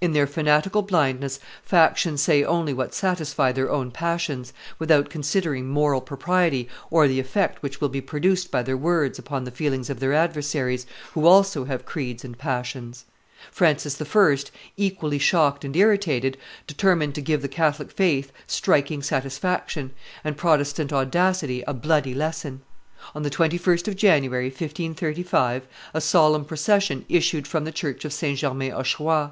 In their fanatical blindness factions say only what satisfies their own passions, without considering moral propriety or the effect which will be produced by their words upon the feelings of their adversaries, who also have creeds and passions. Francis I., equally shocked and irritated, determined to give the Catholic faith striking satisfaction, and Protestant audacity a bloody lesson. On the 21st of January, 1535, a solemn procession issued from the church of St. Germain l'Auxerrois.